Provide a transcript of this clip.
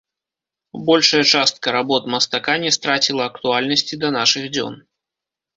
Большая частка работ мастака не страціла актуальнасці да нашых дзён.